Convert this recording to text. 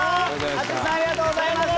淳さんありがとうございました！